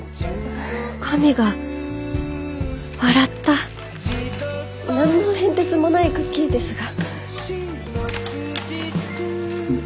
神が笑った何の変哲もないクッキーですが。